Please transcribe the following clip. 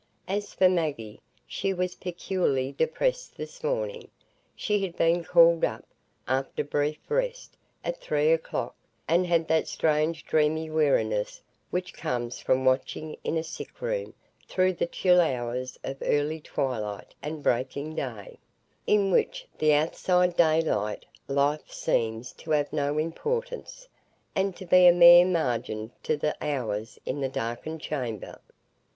As for Maggie, she was peculiarly depressed this morning; she had been called up, after brief rest, at three o'clock, and had that strange dreamy weariness which comes from watching in a sick room through the chill hours of early twilight and breaking day,—in which the outside day light life seems to have no importance, and to be a mere margin to the hours in the darkened chamber.